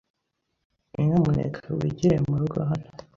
Nyamuneka wigire murugo hano.